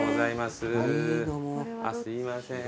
すいません。